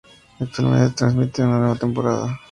Actualmente se transmite una nueva temporada.